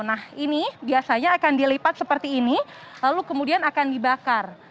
nah ini biasanya akan dilipat seperti ini lalu kemudian akan dibakar